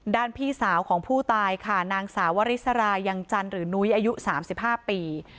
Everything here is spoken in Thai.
พี่สาวของผู้ตายค่ะนางสาววริสรายังจันทร์หรือนุ้ยอายุ๓๕ปี